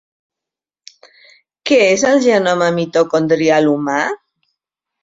Què és el genoma mitocondrial humà?